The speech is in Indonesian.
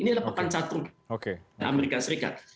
ini adalah papan catur amerika serikat